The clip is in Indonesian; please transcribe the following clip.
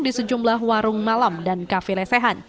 di sejumlah warung malam dan kafe lesehan